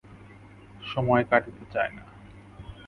সময় কাটিতে চায় না।